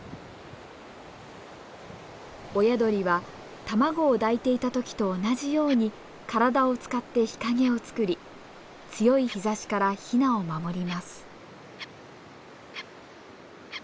親鳥は卵を抱いていた時と同じように体を使って日陰を作り強い日ざしからヒナを守ります。